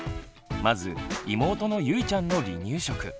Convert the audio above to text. まず妹のゆいちゃんの離乳食。